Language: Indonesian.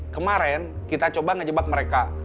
kemarin kita coba ngejebak mereka